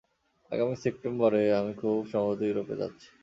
আগামী সেপ্টেম্বরে আমি খুব সম্ভবত ইউরোপ যাচ্ছি।